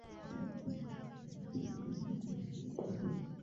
政和三年升润州置。